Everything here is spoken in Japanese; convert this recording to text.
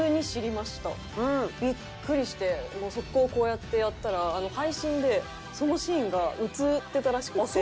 ビックリして即行こうやってやったら配信でそのシーンが映ってたらしくて。